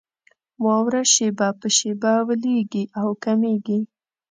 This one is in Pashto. واوره شېبه په شېبه ويلېږي او کمېږي.